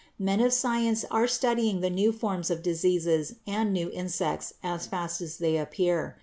Men of science are studying the new forms of diseases and new insects as fast as they appear.